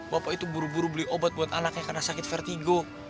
bapak itu buru buru beli obat buat anaknya karena sakit vertigo